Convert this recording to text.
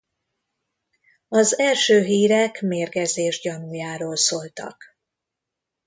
Az első hírek mérgezés gyanújáról szóltak.